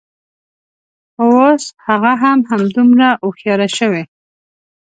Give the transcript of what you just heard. خو، اوس هغه هم همدومره هوښیاره شوې